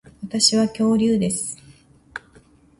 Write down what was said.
私は恐竜です